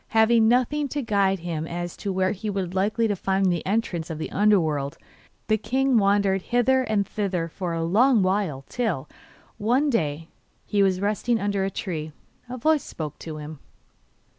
Having nothing to guide him as to where he was likely to find the entrance of the under world, the king wandered hither and thither for a long while, till, one day, while he was resting under a tree, a voice spoke to him.